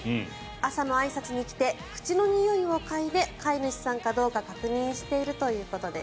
朝のあいさつに来て口のにおいを嗅いで飼い主さんかどうか確認しているということです。